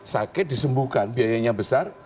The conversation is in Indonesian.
sakit disembuhkan biayanya besar